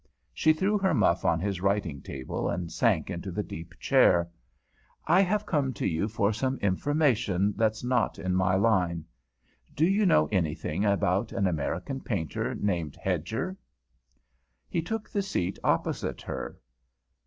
She threw her muff on his writing table and sank into the deep chair. "I have come to you for some information that's not in my line. Do you know anything about an American painter named Hedger?" He took the seat opposite her.